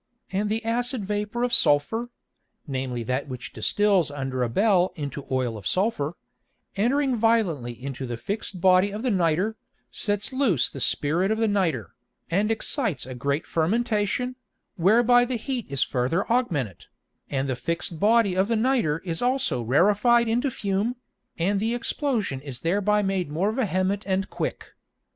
And the acid Vapour of the Sulphur (namely that which distils under a Bell into Oil of Sulphur,) entring violently into the fix'd Body of the Nitre, sets loose the Spirit of the Nitre, and excites a great Fermentation, whereby the Heat is farther augmented, and the fix'd Body of the Nitre is also rarified into Fume, and the Explosion is thereby made more vehement and quick.